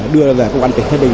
đưa về công an tỉnh thái bình